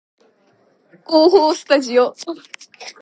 構法スタジオ